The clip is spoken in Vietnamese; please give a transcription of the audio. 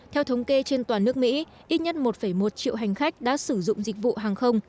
theo thống kê trên toàn nước mỹ ít nhất một một triệu hành khách đã sử dụng dịch vụ hàng không